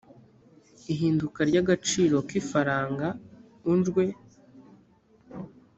ihinduka rya agaciro kifaranga unjwe